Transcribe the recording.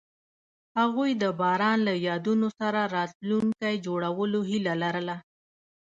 هغوی د باران له یادونو سره راتلونکی جوړولو هیله لرله.